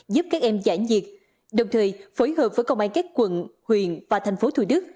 giúp các em giải nhiệt đồng thời phối hợp với công an các quận huyện và thành phố thủ đức